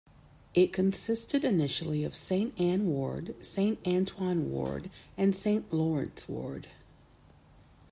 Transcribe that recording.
It consisted initially of Saint Anne Ward, Saint Antoine Ward and Saint Lawrence Ward.